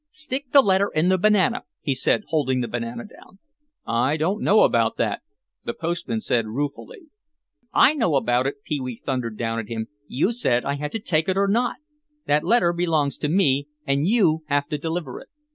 "Stick the letter in the banana," he said, holding the banana down. "I don't know about that," the postman said, ruefully. "I know about it," Pee wee thundered down at him. "You said I had to take it or not; that letter belongs to me and you have to deliver it.